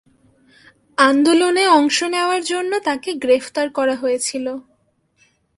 আন্দোলনে অংশ নেওয়ার জন্য তাকে গ্রেফতার করা হয়েছিল।